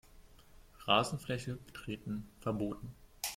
Rasenfläche betreten verboten.